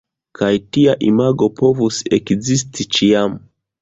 Kaj tia imago povus ekzisti ĉiam.